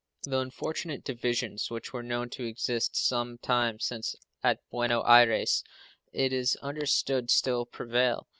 The unfortunate divisions which were known to exist some time since at Buenos Ayres it is understood still prevail.